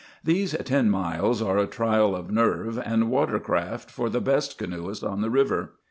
These ten miles are a trial of nerve and water craft for the best canoeists on the river.